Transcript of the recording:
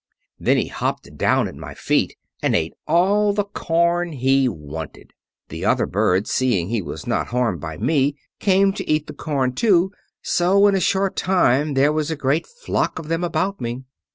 Then he hopped down at my feet and ate all the corn he wanted. The other birds, seeing he was not harmed by me, came to eat the corn too, so in a short time there was a great flock of them about me.